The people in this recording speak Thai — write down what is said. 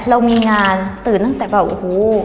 เรามีงานตื่นตั้งแต่แบบโอ้โห